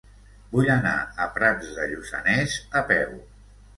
Vull anar a Prats de Lluçanès a peu.